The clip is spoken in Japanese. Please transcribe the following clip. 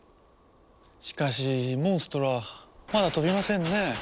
しかしモンストロはまだ飛びませんね。